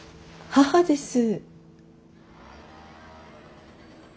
母です。